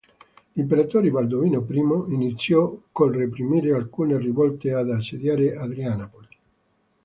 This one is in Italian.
L'imperatore Baldovino I iniziò col reprimere alcune rivolte e ad assediare Adrianopoli.